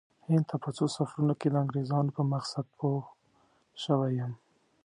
هند ته په څو سفرونو کې د انګریزانو په مقصد پوه شوی یم.